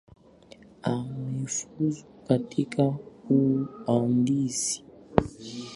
Amefuzu katika uhandisi